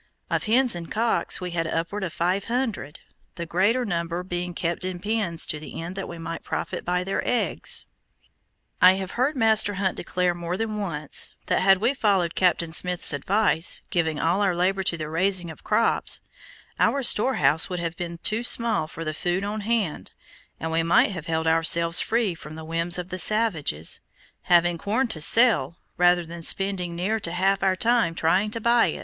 Of hens and cocks we had upward of five hundred, the greater number being kept in pens to the end that we might profit by their eggs. I have heard Master Hunt declare more than once, that had we followed Captain Smith's advice, giving all our labor to the raising of crops, our storehouse would have been too small for the food on hand, and we might have held ourselves free from the whims of the savages, having corn to sell, rather than spending near to half our time trying to buy.